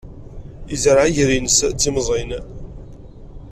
Yezreɛ iger-nnes d timẓin.